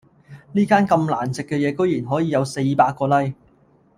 呢間咁難食嘅居然可以有四百個 like